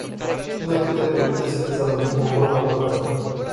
Nu ne putem permite să dezamăgim poporul moldovean.